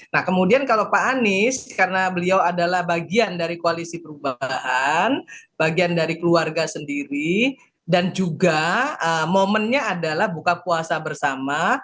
nah kemudian kalau pak anies karena beliau adalah bagian dari koalisi perubahan bagian dari keluarga sendiri dan juga momennya adalah buka puasa bersama